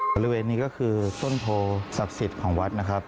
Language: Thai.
บริเวณนี้ก็คือต้นโพศักดิ์สิทธิ์ของวัดนะครับ